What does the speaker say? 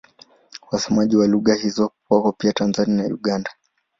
Wasemaji wa lugha hizo wako pia Tanzania na Uganda.